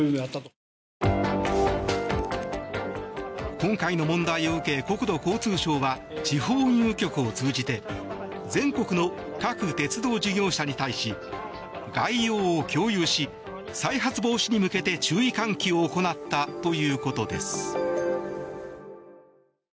今回の問題を受け国土交通省は地方運輸局を通じて全国の各鉄道事業者に対し概要を共有し再発防止に向けて注意喚起を行ったということです。